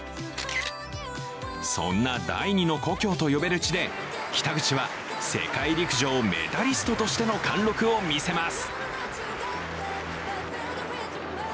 そんな第２の故郷と呼べる地で北口は世界陸上メダリストとしての貫禄を見せます。